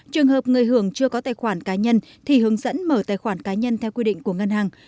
trường hợp người hưởng chưa có tài khoản cá nhân thì hướng dẫn mở tài khoản cá nhân theo quy định của ngân hàng